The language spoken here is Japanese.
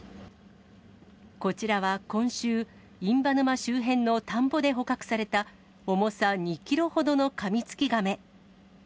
こちらは、今週、印旛沼周辺の田んぼで捕獲された、重さ２キロほどのカミツキガメ。